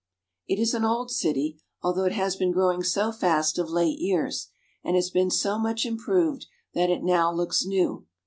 It is an old city, although it has been growing so fast of late years, and has been so much improved, that it now looks new.